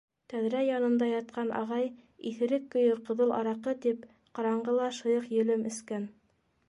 Тәҙрә янында ятҡан ағай иҫерек көйө ҡыҙыл араҡы тип ҡараңғыла шыйыҡ елем эскән.